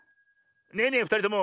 ねえねえふたりとも。